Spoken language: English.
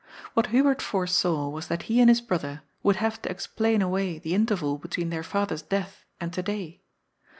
What Hubert foresaw was that he and his brother would have to explain away the interval between their father's death and to day.